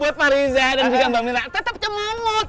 buat parija dan juga mbak mirna tetap cemangut